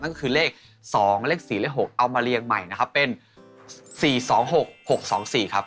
นั่นก็คือเลขสองเลขสี่เลขหกเอามาเรียงใหม่นะครับเป็นสี่สองหกหกสองสี่ครับ